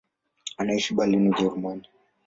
Anaishi Berlin, Ujerumani.